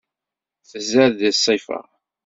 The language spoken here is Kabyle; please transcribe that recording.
Tzad di ṣṣifa.